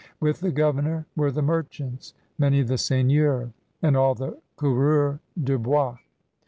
With the governor were the merchants, many of the seigneurs, and all the coureurs de bois.